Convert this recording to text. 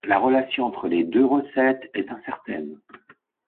La relation entre les deux recettes est incertaine.